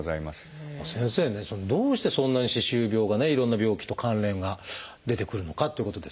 先生ねどうしてそんなに歯周病がねいろんな病気と関連が出てくるのかっていうことですが。